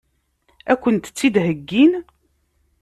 Ad kent-tt-id-heggin?